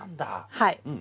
はい。